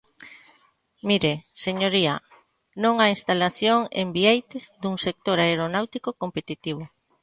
Mire, señoría, non á instalación en Biéitez dun sector aeronáutico competitivo.